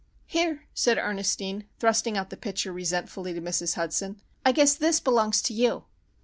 "Here," said Ernestine, thrusting out the pitcher resentfully to Mrs. Hudson, "I guess this belongs to you."